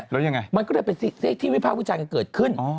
แล้วยังไงมันก็เลยเป็นที่วิภาควิจารณ์กันเกิดขึ้น